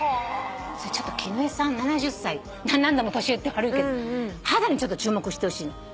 ちょっと絹江さん７０歳何度も年言って悪いけど肌に注目してほしいの。